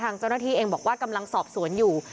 ทางเจ้าหน้าที่เองบอกว่ากำลังสอบสวนอยู่